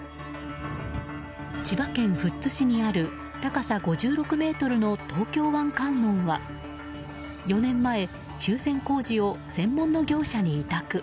千葉県富津市にある高さ５６ｍの東京湾観音は４年前、修繕工事を専門の業者に委託。